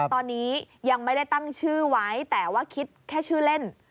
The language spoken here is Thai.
ตอนนี้ยังไม่ได้ตั้งชื่อไว้แต่ว่าคิดแค่ชื่อเล่น